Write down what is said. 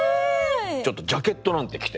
ちょっとジャケットなんて着て。